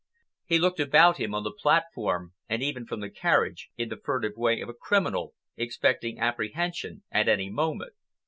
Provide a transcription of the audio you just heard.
He looked about him on the platform, and even from the carriage, in the furtive way of a criminal expecting apprehension at any moment.